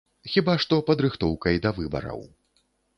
Хіба што падрыхтоўкай да выбараў.